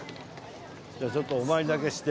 じゃあちょっとお参りだけして。